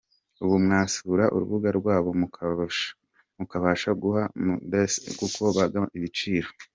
Ubu mwasura urubuga rwabo mukabasha guhaha mudahenzwe kuko bagabanije ibiciro.